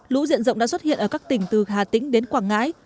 lũ diện rộng đã xuất hiện ở các tỉnh từ hà tĩnh đến quảng ngãi